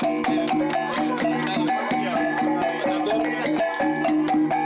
anda tidak melakukan perkembanganmu dengan racunal